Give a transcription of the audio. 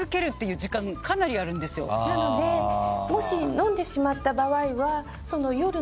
もし飲んでしまった場合は。